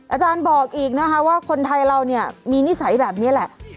อาจารย์บอกอีกว่าคนไทยเรามีนิสัยแบบนี้แหละ